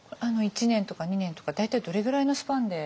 １年とか２年とか大体どれぐらいのスパンで？